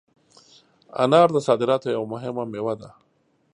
انار د صادراتو یوه مهمه مېوه ده.